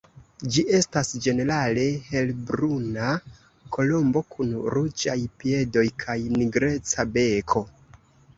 Ĝi estas ĝenerale helbruna kolombo kun ruĝaj piedoj kaj nigreca beko.